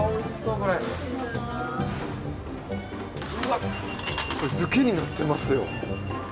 うわっこれヅケになってますよ。